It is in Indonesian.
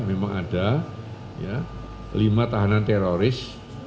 memang ada lima tahanan teroris